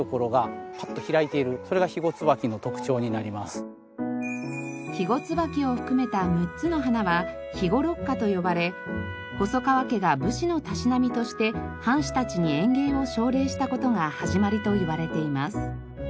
大輪咲きで肥後椿を含めた６つの花は「肥後六花」と呼ばれ細川家が武士のたしなみとして藩士たちに園芸を奨励した事が始まりといわれています。